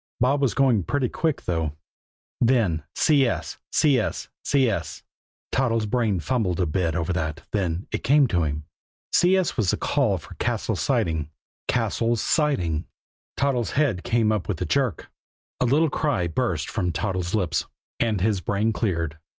Bob was going pretty quick, though. Then "CS CS CS" Toddles' brain fumbled a bit over that then it came to him. CS was the call for Cassil's Siding. Cassil's Siding! Toddles' head came up with a jerk. A little cry burst from Toddles' lips and his brain cleared.